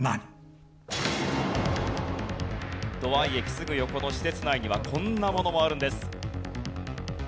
すぐ横の施設内にはこんなものもあるんです。